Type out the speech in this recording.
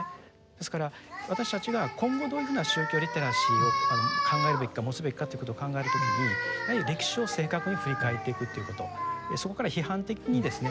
ですから私たちが今後どういうふうな宗教リテラシーを考えるべきか持つべきかということを考える時にやはり歴史を正確に振り返っていくということそこから批判的にですね